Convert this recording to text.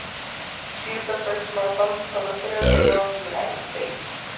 She is the first Muslim solicitor general in the United States.